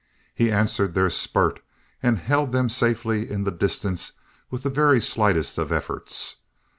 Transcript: He answered their spurt and held them safely in the distance with the very slightest of efforts.